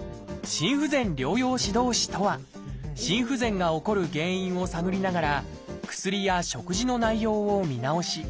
「心不全療養指導士」とは心不全が起こる原因を探りながら薬や食事の内容を見直し